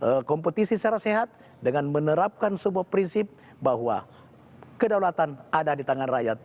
berkompetisi secara sehat dengan menerapkan sebuah prinsip bahwa kedaulatan ada di tangan rakyat